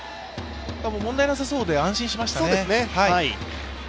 問題なさそうで安心しました。